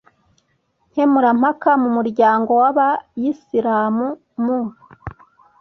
nkemurampaka mu muryango w abayisilamu mu